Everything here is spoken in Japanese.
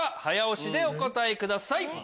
早押しでお答えください。